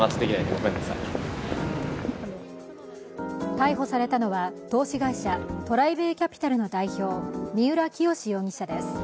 逮捕されたのは、投資会社トライベイ・キャピタルの代表、三浦清志容疑者です。